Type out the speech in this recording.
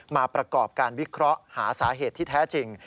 มาประกอบการวิเคราะห์หาสาเหตุที่แท้จริง